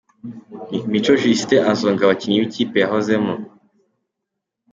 Mico Justin azonga abakinnyi b'ikipe yahozemo.